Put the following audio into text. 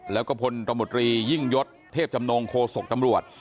แล้วก็พลตมตรียิ่งยศเทพจำนงโคศกตำรวจ